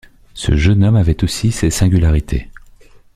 Ce jeune homme avait aussi ses singularités.